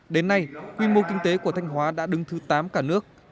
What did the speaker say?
đến nay quy mô kinh tế của thanh hóa đã đứng thứ tám cả nước